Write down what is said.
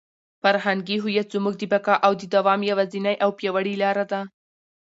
فرهنګي هویت زموږ د بقا او د دوام یوازینۍ او پیاوړې لاره ده.